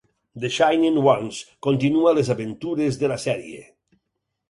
"The Shining Ones" continua les aventures de la sèrie.